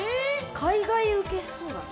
海外受けしそうだね。